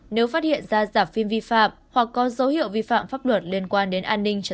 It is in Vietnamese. nếu phát hiện ra giảm phim vi phạm hoặc có dấu hiệu vi phạm pháp luật liên quan đến an ninh trật tự